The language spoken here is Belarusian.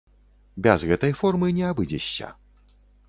Без гэтай формы не абыдзешся.